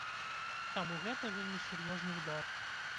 Таму гэта вельмі сур'ёзны ўдар.